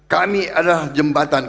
kami adalah jembatan